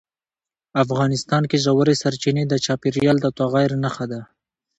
افغانستان کې ژورې سرچینې د چاپېریال د تغیر نښه ده.